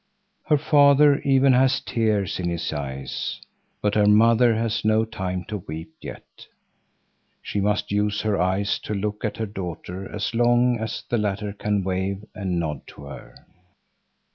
Her father even has tears in his eyes, but her mother has no time to weep yet. She must use her eyes to look at her daughter as long as the latter can wave and nod to her.